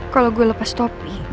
kalau gue lepas topi